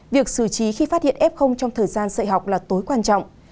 việc xử trí khi phát hiện f trong thời gian dạy học là tối quan trọng